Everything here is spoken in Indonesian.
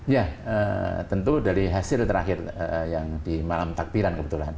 ya tentu dari hasil terakhir yang di malam takbiran kebetulan